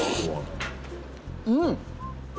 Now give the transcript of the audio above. うん！